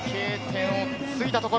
Ｋ点を過ぎたところ。